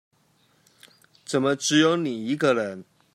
怎麼只有你一個人